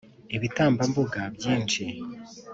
ibitambambuga byinshi